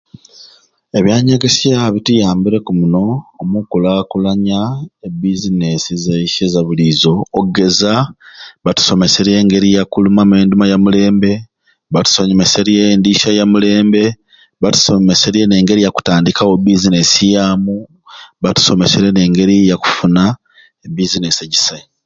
Ebyanyegesya bituyambireku muno omu kukulaakulanya e bizinesi zaiswe ezabuliizo okugeza batusomeserye engeri yakuluma endima ya mulembe batusomeserye e ndisya ya mulembe batusomeserye n'engeri yakutandikawo e bizinesi yaamu batusomeserye n'engeri yakufuna e bizinesi.egisai.